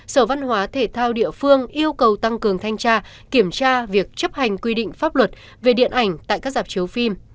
sở văn hóa thể thao địa phương yêu cầu tăng cường thanh tra kiểm tra việc chấp hành quy định pháp luật về điện ảnh tại các dạp chiếu phim